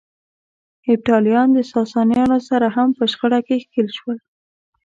هېپتاليان د ساسانيانو سره هم په شخړه کې ښکېل شول.